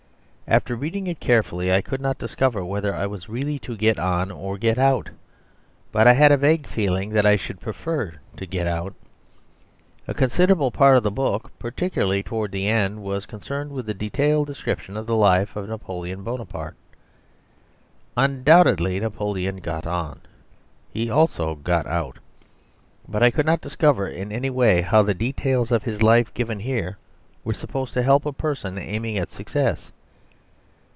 After reading it carefully I could not discover whether I was really to get on or to get out; but I had a vague feeling that I should prefer to get out. A considerable part of the book, particularly towards the end, was concerned with a detailed description of the life of Napoleon Bonaparte. Undoubtedly Napoleon got on. He also got out. But I could not discover in any way how the details of his life given here were supposed to help a person aiming at success.